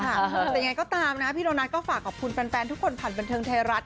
แต่ยังไงก็ตามนะพี่โดนัทก็ฝากขอบคุณแฟนทุกคนผ่านบันเทิงไทยรัฐ